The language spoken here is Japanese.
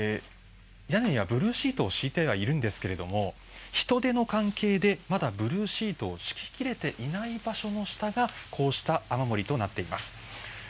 屋根はブルーシートを引いてはいるんですけれども、人手の関係でまだブルーシートを敷き切れていないところでこうした雨漏りとなっています。